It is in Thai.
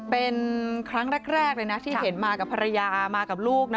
เป็นครั้งแรกเลยนะที่เห็นมากับภรรยามากับลูกนะ